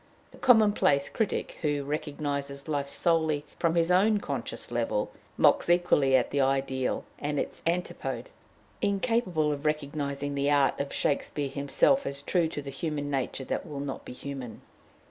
The commonplace critic, who recognizes life solely upon his own conscious level, mocks equally at the ideal and its antipode, incapable of recognizing the art of Shakespeare himself as true to the human nature that will not be human.